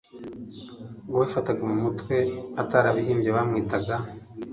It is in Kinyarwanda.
Uwabifataga mu mutwe atarabihimbye bamwitaga “